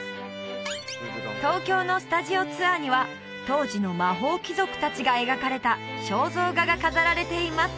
東京のスタジオツアーには当時の魔法貴族達が描かれた肖像画が飾られています